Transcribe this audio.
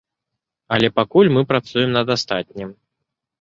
Але пакуль мы працуем над астатнім.